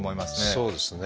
そうですね。